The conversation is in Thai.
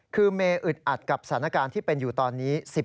คือเมย์อึดอัดกับสถานการณ์ที่เป็นอยู่ตอนนี้